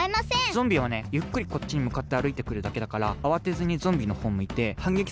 ゾンビはねゆっくりこっちにむかってあるいてくるだけだからあわてずにゾンビのほうむいてはんげきすればだいじょうぶかな。